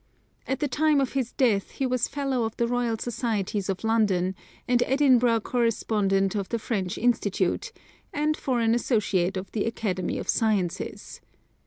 At the time of his death he was fellow of the Royal Societies of London, and Edinburgh correspondent of the French Institute, and foreign associate of the Academy of Sciences.